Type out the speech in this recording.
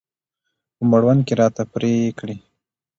په مړوند کې راته پرې کړي.